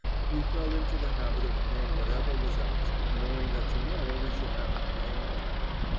We fell into the habit of paying whatever was asked, knowing that to morrow we should have to pay more.